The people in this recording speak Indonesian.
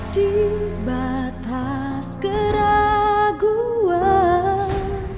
di batas gerakan